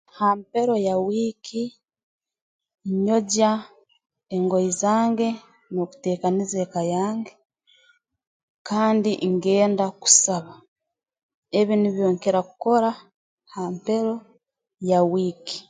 Ha mpero ya wiiki nyogya engoye zange nteekaniza eka yange kandi ngenda kusaba ebi nibyo nkira kukora ha mpero ya wiiki